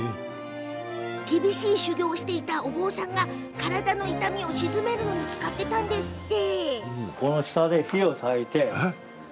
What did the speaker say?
厳しい修行していらっしゃったお坊さんが体の痛みを鎮めるのに使ったんですって。